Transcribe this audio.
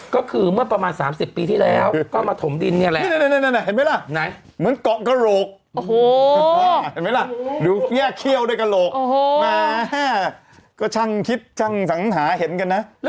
ก็คือเมื่อประมาณสามสิบปีที่แล้วกล้องมาถ่อมดินเนี้ยแหละ